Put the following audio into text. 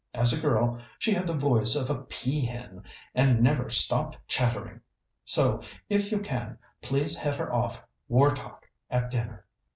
As a girl she had the voice of a pea hen, and never stopped chattering. So, if you can, please head her off war talk at dinner."